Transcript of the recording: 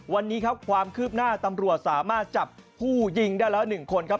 วันนี้ครับความคืบหน้าตำรวจสามารถจับผู้ยิงได้แล้ว๑คนครับ